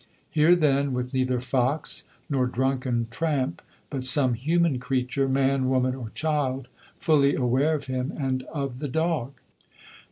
Here, then, was neither fox nor drunken tramp, but some human creature, man, woman, or child, fully aware of him and of the dog.